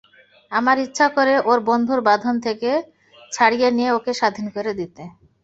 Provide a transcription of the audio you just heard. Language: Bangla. আমার ইচ্ছা করে ওঁর বন্ধুর বাঁধন থেকে ছাড়িয়ে নিয়ে ওঁকে স্বাধীন করে দিতে।